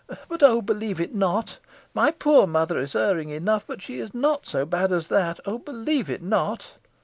But oh, believe it not! My poor mother is erring enough, but she is not so bad as that. Oh, believe it not!"